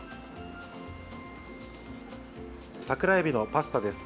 桜えびのパスタです。